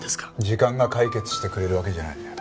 時間が解決してくれるわけじゃない。